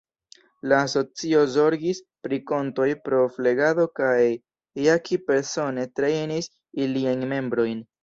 La asocio zorgis pri kontoj pro flegado kaj Jackie persone trejnis iliajn membrojn.